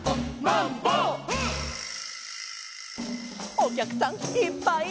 「おきゃくさんいっぱいや」